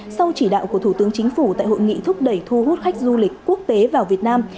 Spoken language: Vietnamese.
sau chỉ đạo của thủ tướng chính phủ tại hội nghị thúc đẩy thu hút khách du lịch quốc tế vào việt nam